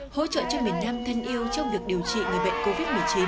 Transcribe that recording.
hỗ trợ cho miền nam thân yêu trong việc điều trị người bệnh covid một mươi chín